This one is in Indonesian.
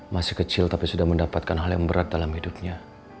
masih kecil tapi sudah mendapatkan hal yang berat dalam hidupnya